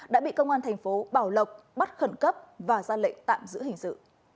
đã bị công an thành phố bảo lộc bắt khẩn cấp và ra lệnh tạm giữ hình sự